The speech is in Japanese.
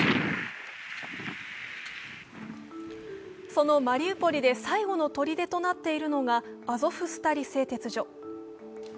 そのマリウポリで最後のとりでとなっているのがアゾフスタリ製鉄所。